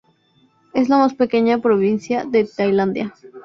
Es la más pequeña provincia de Tailandia.